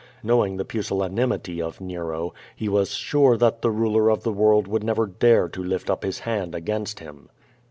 Knowing the pusillanimity of Nero, he was sure that the ruler of the world would never dare to lift up his hand against him.